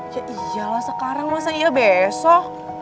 iyalah sekarang masa iya besok